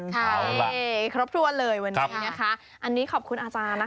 ใช่ครบถ้วนเลยวันนี้นะคะอันนี้ขอบคุณอาจารย์นะคะ